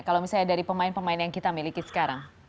kalau misalnya dari pemain pemain yang kita miliki sekarang